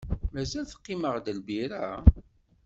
Mazal teqqim-aɣ-d lbira?